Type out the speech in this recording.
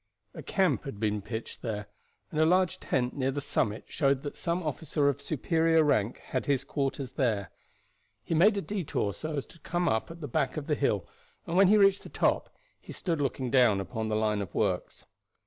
A camp had been pitched there, and a large tent near the summit showed that some officer of superior rank had his quarters there. He made a detour so as to come up at the back of the hill and when he reached the top he stood looking down upon the line of works.